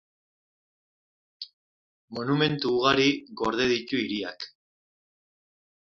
Monumentu ugari gorde ditu hiriak.